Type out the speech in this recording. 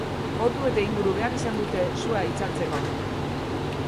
Ordubete inguru behar izan dute sua itzaltzeko.